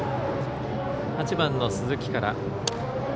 ８番、鈴木から。